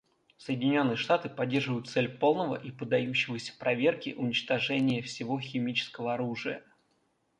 Соединенные Штаты поддерживают цель полного и поддающегося проверке уничтожения всего химического оружия.